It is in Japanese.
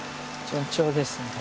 順調ですね。